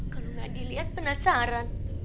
kalau gak dilihat penasaran